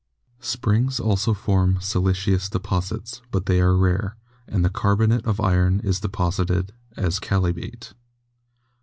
Springs also form siliceous deposits, but they are rare, and the carbonate of iron is deposited as chalybeate.